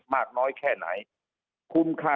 ว่านโยบายนั้นมีความคุ้มค่าทางเศรษฐกิจมากน้อยแค่ไหน